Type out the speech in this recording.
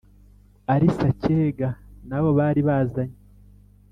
Ari Sacyega n'abo bari bazanye,